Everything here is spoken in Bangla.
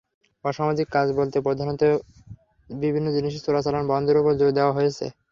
অসামাজিক কাজ বলতে প্রধানত বিভিন্ন জিনিসের চোরাচালান বন্ধের ওপর জোর দেওয়া হচ্ছে।